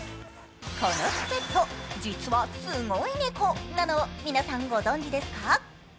このシュペット、実はすごい猫なのを皆さんご存じですか？